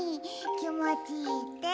きもちいいって。